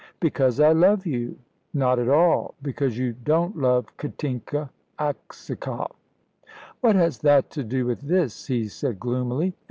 "Because I love you." "Not at all. Because you don't love Katinka Aksakoff." "What has that to do with this?" he said gloomily.